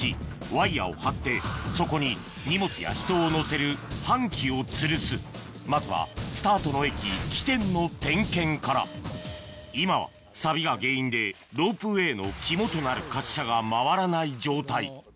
ワイヤを張ってそこに荷物や人をのせる搬器をつるすまずはスタートの駅起点の点検から今はさびが原因でロープウエーの肝となる滑車が回らない状態